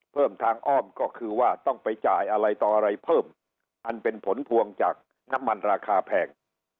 เพิ่มทางอ้อมก็คือว่าต้องไปจ่ายอะไรต่ออะไรเพิ่มอันเป็นผลพวงจากน้ำมันราคาแพง